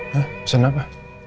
hah pesen apa